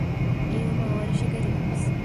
Em uma hora chegaremos